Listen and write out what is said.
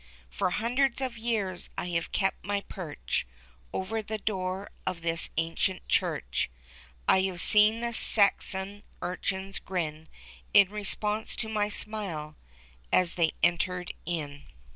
For hundreds of years I have kept my perch Over the door of this ancient church ; I have seen the Saxon urchins grin In response to my smile as they entered in.